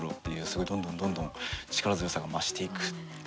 すごいどんどんどんどん力強さが増していく。